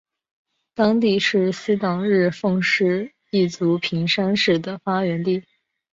当地是西党日奉氏一族平山氏的发源地。